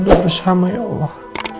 jadi perempuan dia sehat lagi ya allah